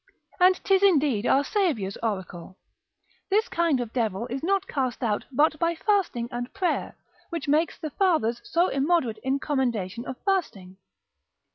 And 'tis indeed our Saviour's oracle, This kind of devil is not cast out but by fasting and prayer, which makes the fathers so immoderate in commendation of fasting.